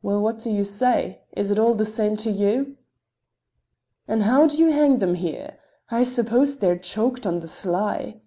"Well, what do you say? Is it all the same to you?" "And how do you hang them here? I suppose they're choked on the sly."